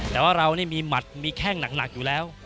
แต่ว่าเรานี่มีหมัดมีแข้งหนักอยู่แล้ว